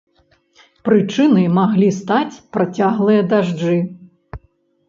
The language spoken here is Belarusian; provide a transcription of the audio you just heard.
Прычынай маглі стаць працяглыя дажджы.